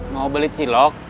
mau beli cilok